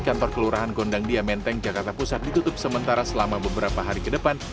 kantor kelurahan gondang dia menteng jakarta pusat ditutup sementara selama beberapa hari ke depan